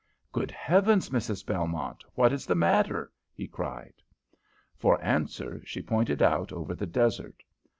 "Good Heavens, Mrs. Belmont, what is the matter?" he cried. For answer she pointed out over the desert.